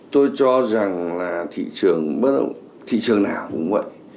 tôi cho rằng là thị trường bất động thị trường nào cũng vậy